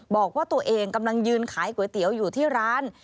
บอกว่าตัวเองกำลังยืนขายก๋วยเตี๋ยวอยู่ที่ร้าน